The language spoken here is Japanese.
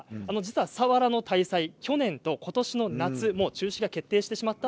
佐原の大祭、去年と、ことしの夏中止が決定しています。